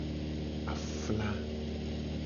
Afla.